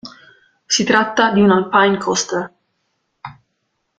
Si tratta di un alpine coaster.